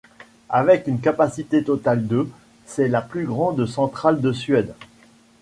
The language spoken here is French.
Avec une capacité totale de c'est la plus grande centrale de Suède.